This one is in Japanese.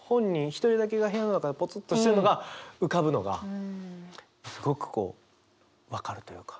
一人だけが部屋の中でポツンとしてるのが浮かぶのがすごく分かるというか。